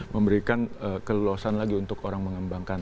memberikan kelelosan lagi untuk orang mengembangkan